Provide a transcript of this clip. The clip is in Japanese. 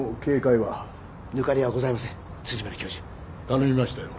頼みましたよ。